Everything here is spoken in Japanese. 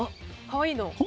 かわいいの？